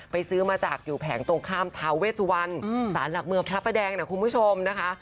ซื้อมาจากอยู่แผงตรงข้ามทาเวสวันสารหลักเมืองพระประแดงนะคุณผู้ชมนะคะ